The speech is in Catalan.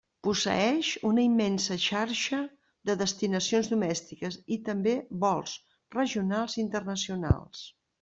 Posseeix una immensa xarxa de destinacions domèstiques i també vols regionals i internacionals.